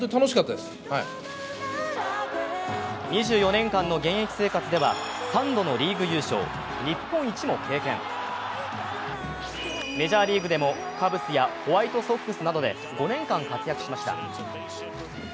２４年間の現役生活では３度のリーグ優勝、日本一を経験、メジャーリーグでも、カブスやホワイトソックスなどで５年間活躍しました。